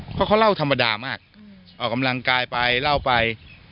เพราะเขาเล่าธรรมดามากออกกำลังกายไปเล่าไป